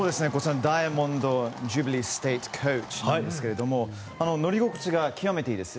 ダイヤモンド・ジュビリー・ステート・コーチなんですが乗り心地が極めていいです。